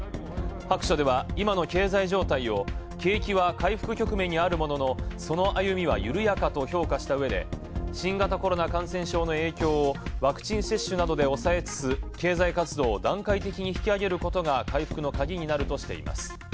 各所では今の経済状態を景気は回復局面にあるもののその歩みは緩やかと評価したうえで新型コロナウイルスワクチン接種などで抑えつつ、経済活動を段階的に引き上げることが回復の鍵としています。